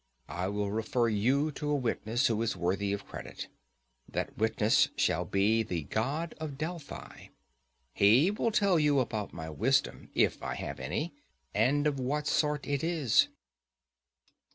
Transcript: I will refer you to a witness who is worthy of credit; that witness shall be the God of Delphi—he will tell you about my wisdom, if I have any, and of what sort it is.